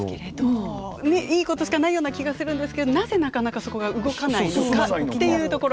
いいことしかないような気がするんですけどなぜなかなかそこが動かないのかっていうところ。